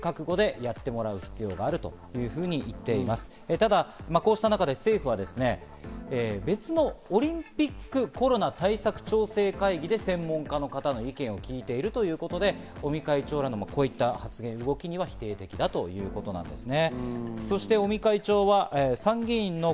ただ、こうした中で政府は別のオリンピックコロナ対策調整会議で専門家の方の意見を聞いているということで、尾身会長らの発言、動きには否定的ということですね。